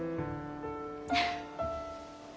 フフ。